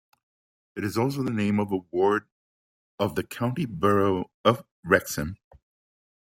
It is also the name of a ward of the County Borough of Wrexham.